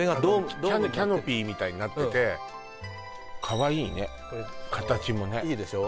キャノピーみたいになっててかわいいね形もねいいでしょ？